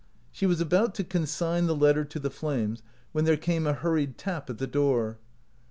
She was about to consign the letter to the flames, when there came a hurried tap at the door.